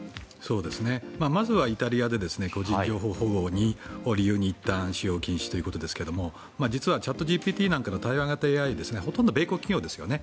まずはイタリアで個人情報保護を理由にいったん使用禁止ということですが実はチャットＧＰＴなどの対話型ＡＩなんかはほとんど米国企業ですよね。